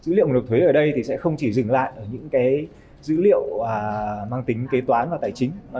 dữ liệu người nộp thuế ở đây thì sẽ không chỉ dừng lại ở những cái dữ liệu mang tính kế toán và tài chính